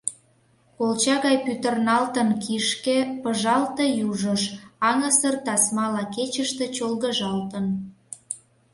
Колча гай пӱтырналтын кишке, пыжалте южыш, аҥысыр тасмала кечыште чолгыжалтын.